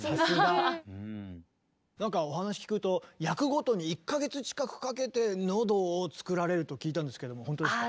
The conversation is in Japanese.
お話聞くと役ごとに１か月近くかけてのどを作られると聞いたんですけども本当ですか？